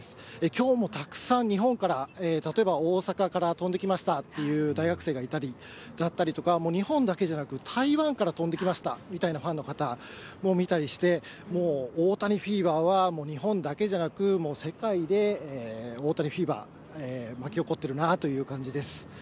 きょうもたくさん、日本から例えば大阪から飛んできましたという大学生がいたりだったりとか、日本だけじゃなく、台湾から飛んできましたみたいなファンの方もいたりして、もう大谷フィーバーは、日本だけじゃなく、世界で大谷フィーバー、巻き起こってるなという感じです。